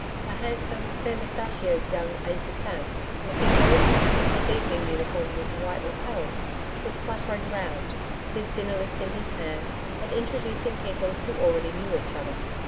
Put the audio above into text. A handsome, fair moustachioed young aide de camp, looking very smart in his evening uniform with white lapels, was fluttering round, his dinner list in his hand, and introducing people who already knew each other.